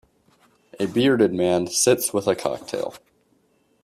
A bearded man sits with a cocktail